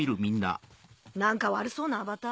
・何か悪そうなアバター。